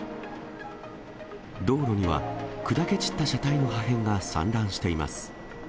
道路には、砕け散った車体の破片が散乱しています。